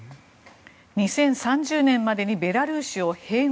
２０３０年までにベラルーシを併合。